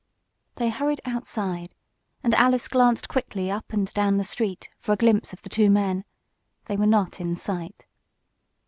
They hurried outside, and Alice glanced quickly up and down the street for a glimpse of the two men. They were not in sight.